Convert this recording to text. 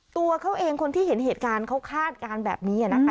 ตัวเขาเองคนที่เห็นเหตุการณ์เขาคาดการณ์แบบนี้นะคะ